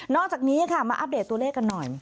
อกจากนี้ค่ะมาอัปเดตตัวเลขกันหน่อย